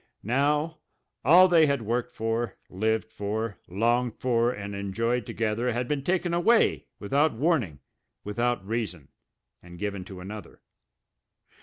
Now, all they had worked for, lived for, longed for, and enjoyed together had been taken away, without warning, without reason, and given to another!